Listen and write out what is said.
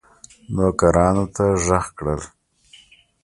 نوکرانو ته ږغ کړل.